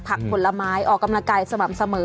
ผลไม้ออกกำลังกายสม่ำเสมอ